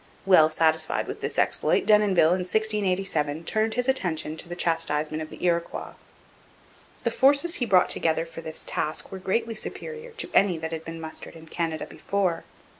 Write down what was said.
Well satisfied with this exploit, Denonville in 1687 turned his attention to the chastisement of the Iroquois. The forces which he brought together for this task were greatly superior to any that had been mustered in Canada before.